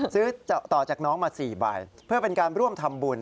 ซื้อต่อจากน้องมา๔ใบเพื่อเป็นการร่วมทำบุญ